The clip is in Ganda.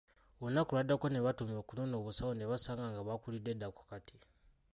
Olunaku olwaddako ne batumya okunona obusawo ne basanga nga bwakulidde dda ku kati.